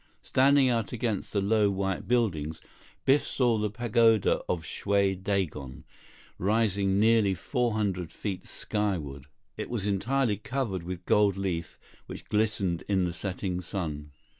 Standing out against the low, white buildings, Biff saw the pagoda of Shwe Dagon, rising nearly 400 feet skyward. It was entirely covered with gold leaf which glistened in the setting sun.